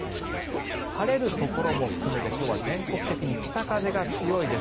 晴れるところも含めて今日は全国的に北風が強いです。